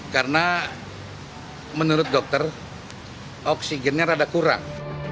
karena menurut dokter oksigennya rada kurang